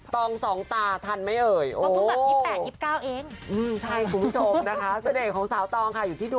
ตองสองตาทันไหมเอ๋ย